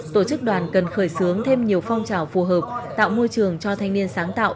tổ chức đoàn cần khởi xướng thêm nhiều phong trào phù hợp tạo môi trường cho thanh niên sáng tạo